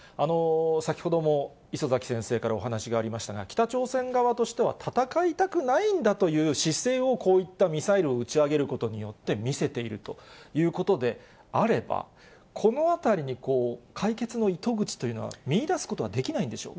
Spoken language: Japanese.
先ほども礒崎先生からお話がありましたが、北朝鮮側としては戦いたくないんだという姿勢を、こういったミサイルを打ち上げることによって見せているということであれば、このあたりに、解決の糸口というのは、見いだすことはできないんでしょうか。